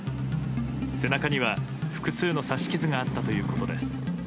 背中には、複数の刺し傷があったということです。